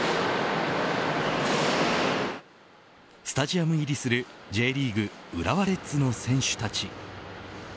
スタジアム入りするＪリーグ浦和レッズの選手たち。